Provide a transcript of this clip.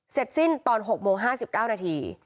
เสร็จสิ้นตอน๖โมง๕๙นาที